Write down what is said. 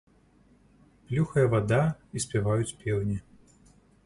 Плюхае вада і спяваюць пеўні.